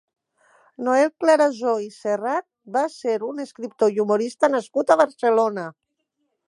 Noel Clarasó i Serrat va ser un escriptor i humorista nascut a Barcelona.